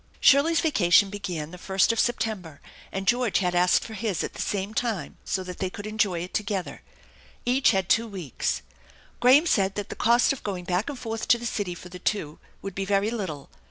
Shirley's vacation began the first of September, and George had asked for his at the same time so that they could enjoy it together. Each had two weeks. Graham said that the cost of going back and forth to the city for the two would be very little.